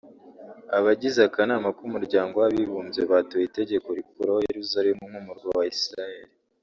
Abagize akanama k’umuryango w’abibumbye batoye itegeko rikuraho Yeruzalemu nk’umurwa wa Isiraheli